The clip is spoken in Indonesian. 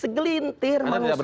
segelintir manusia yang ibu ibu